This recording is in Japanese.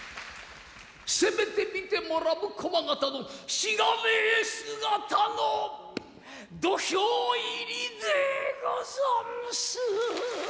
「せめて見て貰う駒形のしがねぇ姿の土俵入りでござんす。」